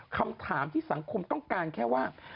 คำถามที่สังคมต้องการแค่ว่า